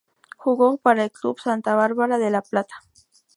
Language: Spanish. Jugó para el Club Santa Bárbara de La Plata.